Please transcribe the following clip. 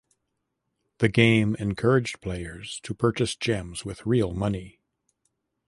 The game encouraged players to purchase gems with real money.